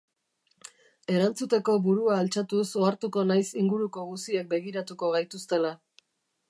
Erantzuteko burua altxatuz ohartuko naiz inguruko guziek begiratuko gaituztela.